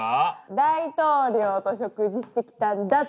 大統領と食事してきたんだ。